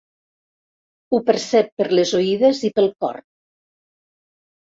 Ho percep per les oïdes i pel cor.